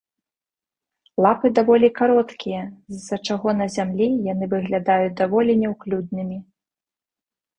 Лапы даволі кароткія, з-за чаго на зямлі яны выглядаюць даволі няўклюднымі.